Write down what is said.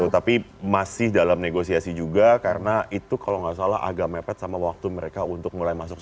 tapi masih dalam negosiasi juga karena itu kalau nggak salah agak mepet sama waktu mereka untuk mulai masuk